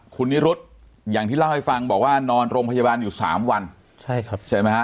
คุณนิรุธอย่างที่เล่าให้ฟังบอกว่านอนโรงพยาบาลอยู่สามวันใช่ครับใช่ไหมฮะ